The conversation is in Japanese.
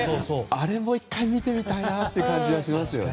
あれも１回見てみたいなという気がしますね。